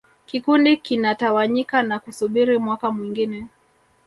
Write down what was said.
Kikundi kinatawanyika na kusubiri mwaka mwingine